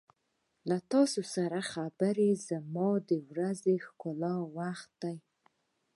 • له تا سره خبرې زما د ورځې ښکلی وخت دی.